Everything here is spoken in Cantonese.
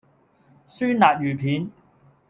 酸辣魚片